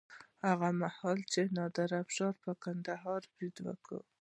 هغه مهال چې نادر افشار پر کندهار برید وکړ.